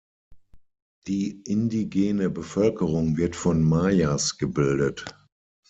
Die indigene Bevölkerung wird von Mayas gebildet.